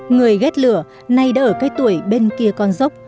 người ghét lửa nay đã ở cái tuổi bên kia con dốc